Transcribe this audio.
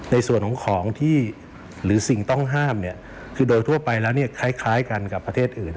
ในส่วนของของที่หรือสิ่งต้องห้ามคือโดยทั่วไปแล้วคล้ายกันกับประเทศอื่น